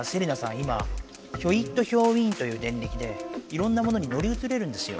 今ヒョイットヒョウイーンというデンリキでいろんなものに乗り移れるんですよ。